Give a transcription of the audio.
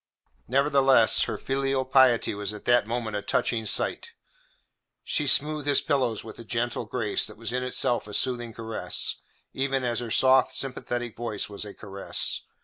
Nevertheless her filial piety was at that moment a touching sight. She smoothed his pillows with a gentle grace that was in itself a soothing caress, even as her soft sympathetic voice was a caress.